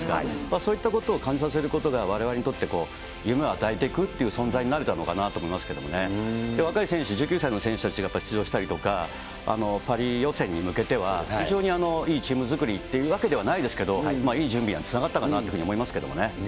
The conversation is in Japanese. そういったことを感じさせることが、われわれにとって夢を与えてくっていう存在になれたのかなと思いますけどね、若い選手、１９歳の選手たちが出場したりとか、パリ予選に向けては、非常にいいチーム作りというわけではないですけど、いい準備につながったかなというふうに思いますけどね。